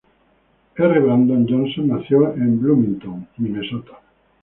R. Brandon Johnson nació en Bloomington, Minnesota.